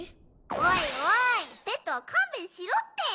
おいおいペットは勘弁しろって。